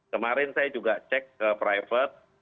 kemarin saya juga cek ke private